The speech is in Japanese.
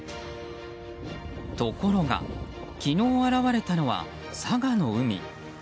ところが昨日現れたのは佐賀の海。